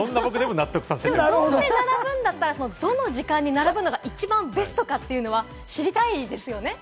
どうせ並ぶんだったら、どの時間に並ぶのが一番ベストかというのは、知りたいですよね？